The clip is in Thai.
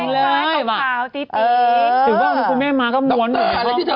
สวัสดีค่ะข้าวใส่ไข่สดใหม่เยอะสวัสดีค่ะ